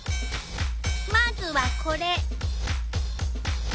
まずはこれ。